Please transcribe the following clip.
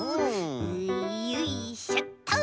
んよいしょっと。